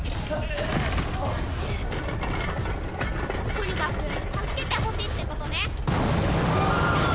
とにかく助けてほしいってことね。